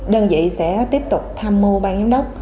đơn vị sẽ tiếp tục tham mưu bang giám đốc